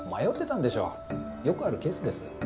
よくあるケースです。